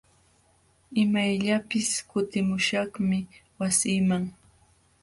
Imayllapis kutimuśhaqmi wasiiman.